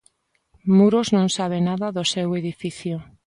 Muros non sabe nada do seu edifico.